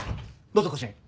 どうぞこちらへ！